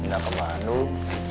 pindah ke bandung